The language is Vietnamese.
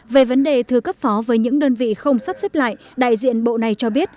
về vấn đề thừa cấp phó với những đơn vị không sắp xếp lại đại diện bộ này cho biết